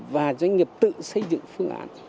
và doanh nghiệp tự xây dựng phương án